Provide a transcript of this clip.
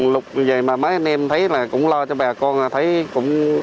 lúc vậy mà mấy anh em thấy là cũng lo cho bà con thấy cũng